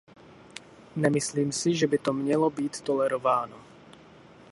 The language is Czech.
Nemyslím si, že by to mělo být tolerováno.